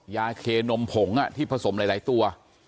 เคนมผงที่ผสมหลายตัว